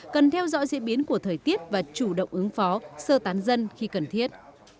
cần theo dõi diễn biến của thời tiết và chủ động ứng phó sơ tán dân khi cần thiết